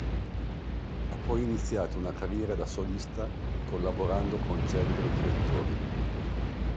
Ha poi iniziato una carriera da solista collaborando con celebri direttori.